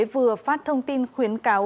vừa phát thông tin khuyến cáo